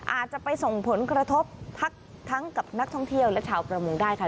อาจจะไปส่งผลกระทบทั้งกับนักท่องเที่ยวและชาวประมงได้ค่ะ